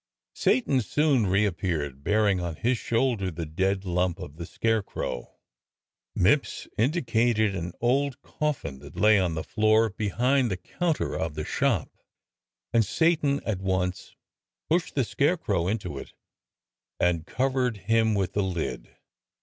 Satan soon reappeared bearing on his shoulder the dead lump of the scarecrow. Mipps indicated an old coffin that lay on the floor behind the counter of the shop and Satan at once pushed the scarecrow into it, and covered him with a lid.